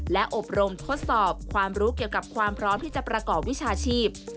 และอบรมทดสอบความรู้เกี่ยวกับความพร้อมที่จะประกอบวิชาชีพ